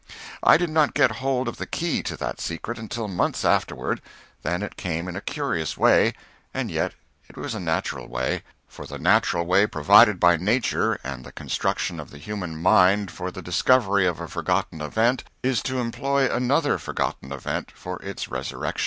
I did not get hold of the key to that secret until months afterward, then it came in a curious way, and yet it was a natural way; for the natural way provided by nature and the construction of the human mind for the discovery of a forgotten event is to employ another forgotten event for its resurrection.